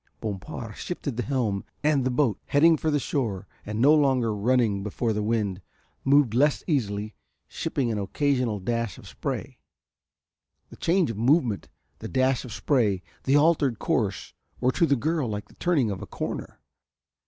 Bompard shifted the helm, and the boat, heading for the shore and no longer running before the wind, moved less easily, shipping an occasional dash of spray. The change of movement, the dash of spray, the altered course were to the girl like the turning of a corner.